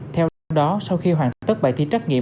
theo đó sau khi hoàn tất bài thi trách nhiệm